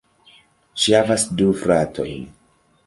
Ŝi havas du fratojn.